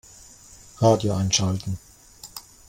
Radio einschalten.